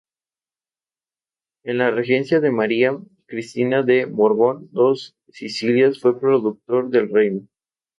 En la regencia de María Cristina de Borbón-Dos Sicilias fue Procurador del Reino.